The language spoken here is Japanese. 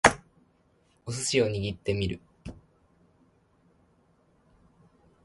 お寿司を握ってみる